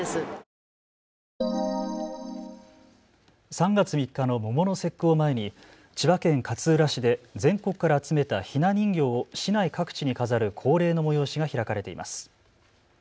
３月３日の桃の節句を前に千葉県勝浦市で全国から集めたひな人形を市内各地に飾る恒例の催しが開かれています。